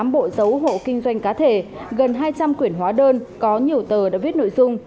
tám bộ dấu hộ kinh doanh cá thể gần hai trăm linh quyển hóa đơn có nhiều tờ đã viết nội dung